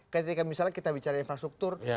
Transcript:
ketika misalnya kita bicara infrastruktur